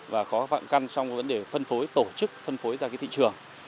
và khó khăn trong vấn đề phân phối tổ chức phân phối ra cái thị trường